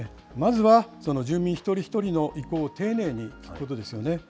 ままずは、住民一人一人の意向を丁寧に聞くことですよね。